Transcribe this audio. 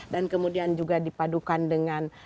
dan kemudian juga dipadukan dengan